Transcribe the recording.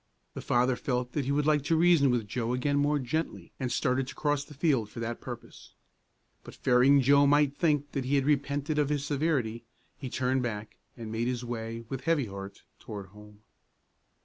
The father felt that he would like to reason with Joe again more gently, and started to cross the field for that purpose. But fearing that Joe might think that he had repented of his severity, he turned back and made his way, with a heavy heart, toward home.